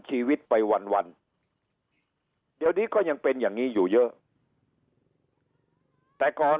ชีวิตไปวันเดี๋ยวนี้ก็ยังเป็นอย่างนี้อยู่เยอะแต่ก่อน